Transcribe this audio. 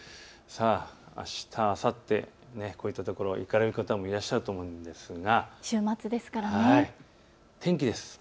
あした、あさってこういったところ、行かれる方もいらっしゃると思うんですが天気です。